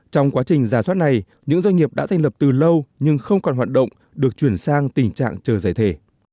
trong quá trình giả soát này những doanh nghiệp đã thành lập từ lâu nhưng không còn hoạt động được chuyển sang tình trạng chờ giải thể